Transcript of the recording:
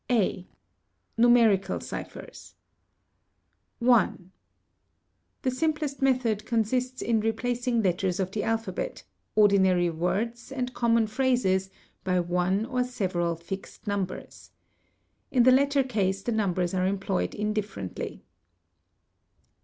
A. Numerical ciphers. 1. The simplest method consists in replacing letters of the alphabet, — ordinary words, and common phrases, by one or several fixed numbers. — In the latter case the numbers are employed indifferently.